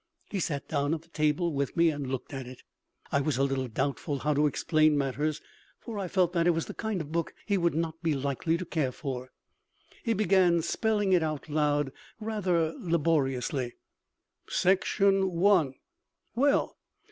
He sat down at the table with me and looked at it. I was a little doubtful how to explain matters, for I felt that it was the kind of book he would not be likely to care for. He began spelling it out loud, rather laboriously Section 1. Well!